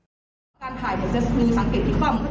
ดิจักรหาผู้ผู้หญิงซึ่งเป็นเจ้าหน้าที่ในวันนั้นด้วย